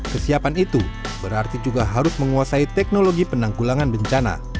kesiapan itu berarti juga harus menguasai teknologi penanggulangan bencana